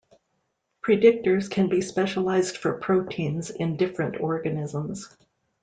Predictors can be specialized for proteins in different organisms.